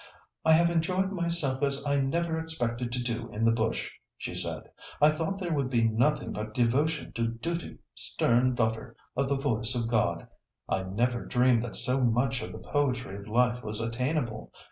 "I have enjoyed myself as I never expected to do in the bush," she said; "I thought there would be nothing but devotion to 'duty, stern daughter of the voice of God.' I never dreamed that so much of the poetry of life was attainable.